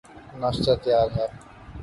ناشتہ تیار ہے